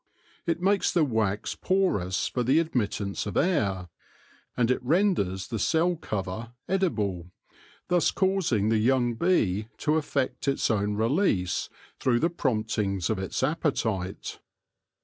It makes the wax porous for the admittance of air, and it renders the cell cover edible, thus causing the young bee to effect its own release through the promptings of its appetite.